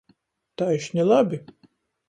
Taišni labi.